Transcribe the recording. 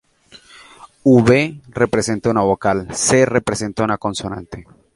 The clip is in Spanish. V representa una vocal; C representa una consonante.